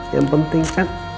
yang penting kan